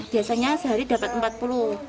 biasanya sehari dapat rp empat puluh rp lima puluh